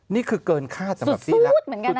นี่คือเกินคาตฯสำหรับที่รบ